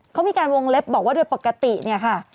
เขามีการวงเล็บบอกว่าโดยปกติเนี่ยค่ะ